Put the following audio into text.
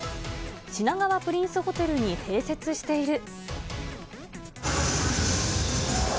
品川プリンスホテルに併設している。